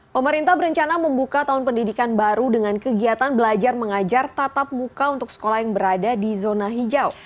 pemerintah berencana membuka tahun pendidikan baru dengan kegiatan belajar mengajar tatap muka untuk sekolah yang berada di zona hijau